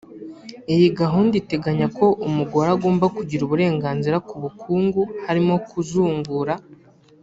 Iyi gahunda iteganya ko umugore agomba kugira uburenganzira ku bukungu harimo kuzungura